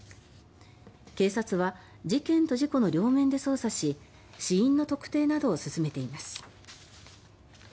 警察は事件と事故の両面で捜査し死因の特定などを進めています。